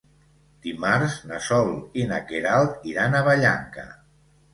Dimarts na Sol i na Queralt iran a Vallanca.